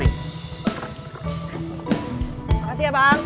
terima kasih ya bang